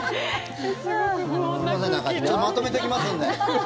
まとめておきますんで。